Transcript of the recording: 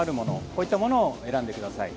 こういったものを選んでください。